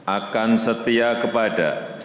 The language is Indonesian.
akan setia kepada